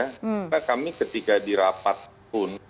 karena kami ketika dirapat pun